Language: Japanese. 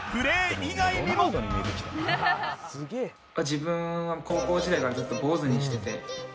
自分は高校時代からずっと坊主にしてて。